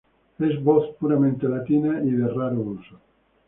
Es voz puramente Latina y de raro uso.